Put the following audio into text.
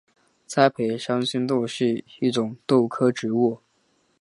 栽培山黧豆是一种豆科植物。